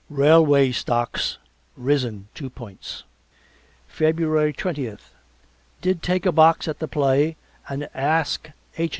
Railway stocks risen two points. February twentieth Did take a box at the Play and ask H.